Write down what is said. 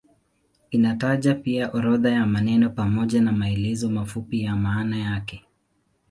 Inataja pia orodha ya maneno pamoja na maelezo mafupi ya maana yake.